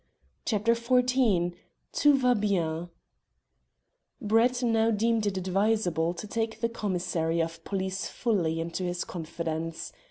CHAPTER XIV "TOUT VA BIEN" Brett now deemed it advisable to take the commissary of police fully into his confidence.